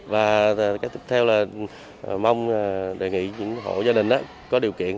và cái tiếp theo là mong đề nghị những hộ gia đình có điều kiện